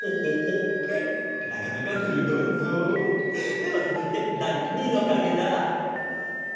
なかなかするどいぞ！ではつづいてだい２のかげだ。